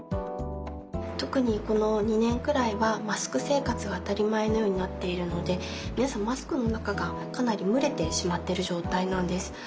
特にこの２年くらいはマスク生活が当たり前のようになっているので皆さんマスクの中がかなり蒸れてしまってる状態なんです。